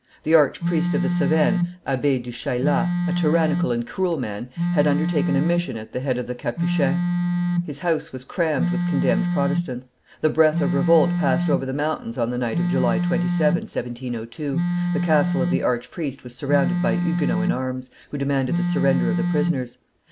The arch priest of the Cevennes, Abbe du Chayla, a tyrannical and cruel man, had undertaken a mission at the head of the Capuchins. His house was crammed with condemned Protestants; the breath of revolt passed over the mountains on the night of July 27, 1702, the castle of the arch priest was surrounded by Huguenots in arms, who demanded the surrender of the prisoners.